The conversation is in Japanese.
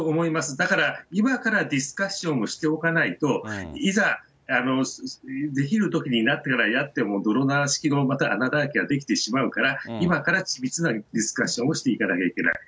だから、今からディスカッションをしておかないと、いざできるときになってからやっても、の穴だらけが出来てしまうから、今からディスカッションをしていかなきゃいけない。